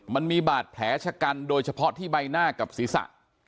มันมีบาดแผลชะกันโดยเฉพาะที่ใบหน้ากับศีรษะ